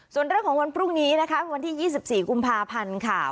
ส่วนเรื่องของวันพรุ่งนี้นะคะวันที่๒๔กุมภาพันธ์ค่ะ